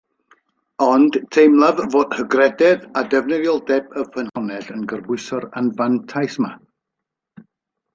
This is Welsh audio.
Ond, teimlaf fod hygrededd a defnyddioldeb y ffynhonnell yn gorbwyso'r anfantais yma